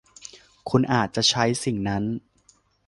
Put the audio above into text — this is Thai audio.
คุณอาจจะใช้สิ่งนั้น